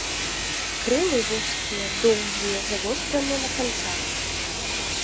Крылы вузкія, доўгія, завостраныя на канцах.